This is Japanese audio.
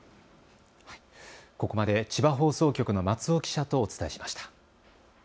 ここまで千葉放送局の松尾記者とお伝えしました。